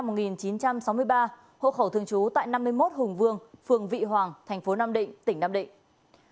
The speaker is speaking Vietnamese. đối tượng nguyễn văn thúy sinh năm một nghìn chín trăm sáu mươi ba hộ khẩu thường trú tại năm mươi một hùng vương phường vị hoàng thành phố nam định tỉnh nam định